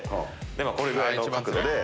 まぁこれぐらいの角度で。